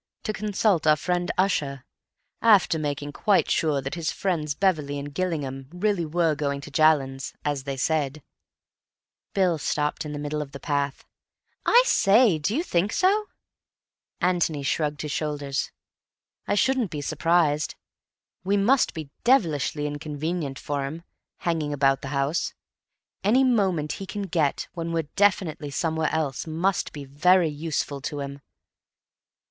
To consult our friend Ussher. After making quite sure that his friends Beverley and Gillingham really were going to Jallands, as they said." Bill stopped suddenly in the middle of the path. "I say, do you think so?" Antony shrugged his shoulders. "I shouldn't be surprised. We must be devilishly inconvenient for him, hanging about the house. Any moment he can get, when we're definitely somewhere else, must be very useful to him."